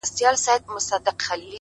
ستا له خندا نه الهامونه د غزل را اوري;